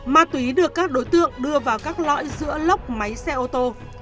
ma túy được các đối tượng đưa vào các lõi giữa lốc máy xe ô tô